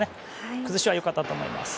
崩しはよかったと思います。